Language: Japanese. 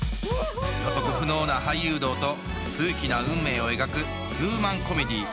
予測不能な俳優道と数奇な運命を描くヒューマンコメディー